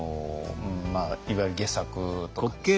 いわゆる戯作とかですね。